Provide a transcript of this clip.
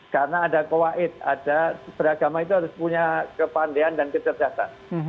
karena ada qawait ada beragama itu harus punya kepandean dan kecerdasan